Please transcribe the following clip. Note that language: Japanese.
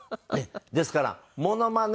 ですからモノマネ